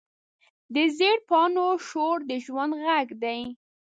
د زېړ پاڼو شور د ژوند غږ دی